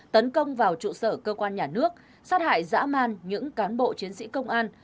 tấn công vào trụ sở cơ quan nhà nước sát hại dã man những cán bộ chiến sĩ công an